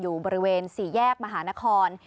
อยู่บริเวณ๔แยกมหานคร